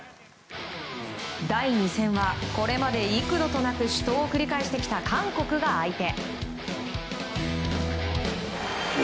第２戦は、これまで幾度となく死闘を繰り返してきた韓国が相手。